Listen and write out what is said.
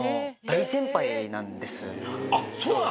あっそうなの？